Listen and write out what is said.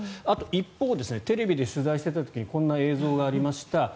あとは一方でテレビで取材をしていた時にこんな映像がありました。